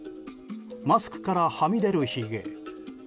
マスクからはみ出るひげ。